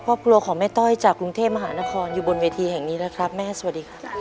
ครอบครัวของแม่ต้อยจากกรุงเทพมหานครอยู่บนเวทีแห่งนี้นะครับแม่สวัสดีครับ